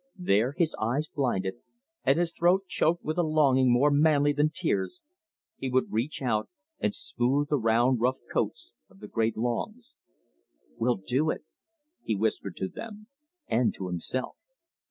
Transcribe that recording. There, his eyes blinded and his throat choked with a longing more manly than tears, he would reach out and smooth the round rough coats of the great logs. "We'll do it!" he whispered to them and to himself.